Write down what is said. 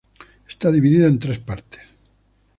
Está dividida en tres partes.